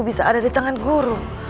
bisa ada di tangan guru